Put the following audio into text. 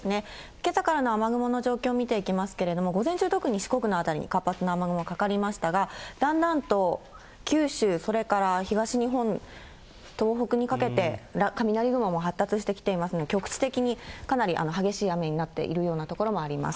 けさからの雨雲の状況を見ていきますけれども、午前中、特に四国の辺り活発な雨雲がかかりましたが、だんだんと九州、それから東日本、東北にかけて、雷雲も発達してきていますので、局地的にかなり激しい雨になっているような所もあります。